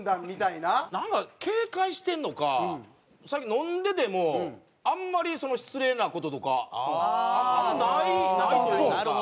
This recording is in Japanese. なんか警戒してんのか最近飲んでてもあんまり失礼な事とかあんまりないないというか。